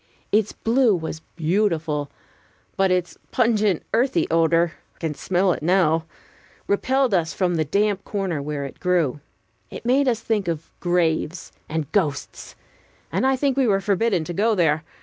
Its blue was beautiful, but its pungent earthy odor I can smell it now repelled us from the damp corner where it grew. It made us think of graves and ghosts; and I think we were forbidden to go there.